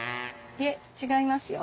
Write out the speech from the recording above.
いえ違いますよ。